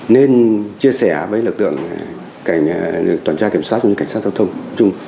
nên chia sẻ với lực lượng cảnh toàn tra kiểm soát và cảnh sát giao thông